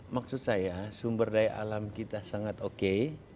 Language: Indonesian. maksud saya sumber daya alam kita sangat oke